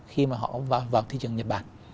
khi mà họ vào thị trường nhật bản